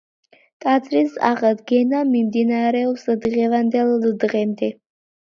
ტაძრის აღდგენა მიმდინარეობს დღევანდელ დღემდე.